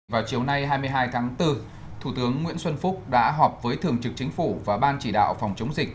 vào chiều nay hai mươi hai tháng bốn thủ tướng nguyễn xuân phúc đã họp với thường trực chính phủ và ban chỉ đạo phòng chống dịch